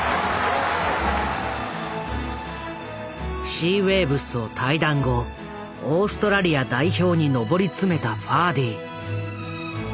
シーウェイブスを退団後オーストラリア代表に上り詰めたファーディ。